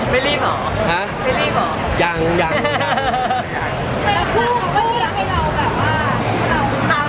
ไม่ได้เจอในคุณหรอก